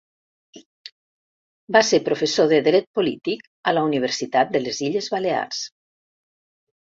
Va ser professor de Dret Polític a la Universitat de les Illes Balears.